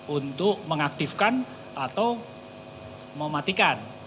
untuk mengaktifkan atau mematikan